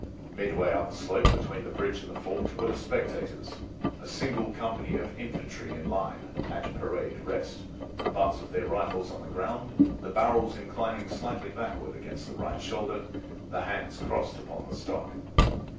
Midway up the slope between the bridge and fort were the spectators—a single company of infantry in line, at "parade rest," the butts of their rifles on the ground, the barrels inclining slightly backward against the right shoulder, the hands crossed upon the stock.